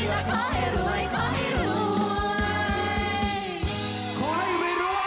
และขอให้รวยขอให้รวยขอให้รวย